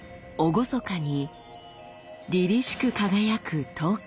厳かにりりしく輝く刀剣。